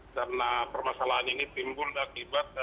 karena permasalahan ini timbul akibat